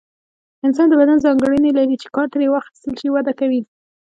انسان د بدن ځانګړنه لري چې کار ترې واخیستل شي وده کوي.